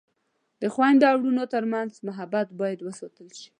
د خویندو او ورونو ترمنځ محبت باید وساتل شي.